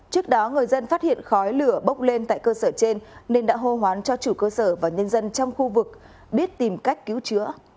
trước đó người dân phát hiện khói lửa bốc lên tại cơ sở trên nên đã hô hoán cho chủ cơ sở và nhân dân trong khu vực biết tìm cách cứu chữa